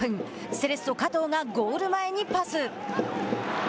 セレッソ、加藤がゴール前にパス。